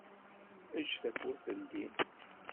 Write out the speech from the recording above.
Eǧǧ tawwurt teldi.